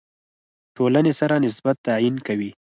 ټولنې سره نسبت تعیین کوي.